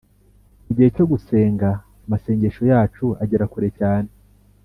Mu gihe cyo gusenga ,amase ngesho yacu agera kure cyane